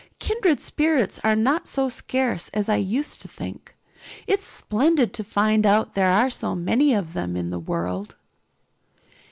Kindred spirits are not so scarce as I used to think. It's splendid to find out there are so many of them in the world."